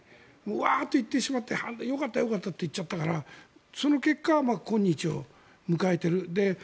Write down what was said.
ワーッと行ってしまってよかった、よかったっていっちゃったからその結果、今日を迎えている。